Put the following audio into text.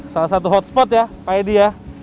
salah satu hotspot ya pak edi ya